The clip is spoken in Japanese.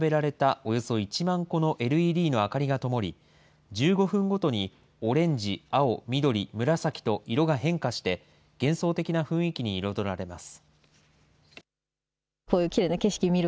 およそ１万個のＬＥＤの明かりがともり、１５分ごとにオレンジ、青、緑、紫と色が変化して、幻想的な雰囲気に彩られます。